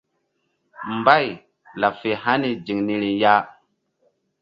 Mbay laɓ fe hani ziŋ niri ya.